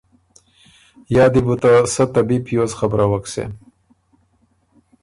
یا دی بُو ته سۀ ته بی پیوز خبرَوَک سېن؟